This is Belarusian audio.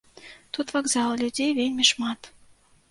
Тут вакзал, людзей вельмі шмат.